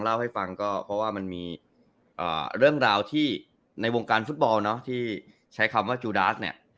เล่าให้ฟังก็เพราะว่ามันมีเรื่องราวที่ในวงการฟุตบอลเนาะที่ใช้คำว่าจูดาสเนี่ย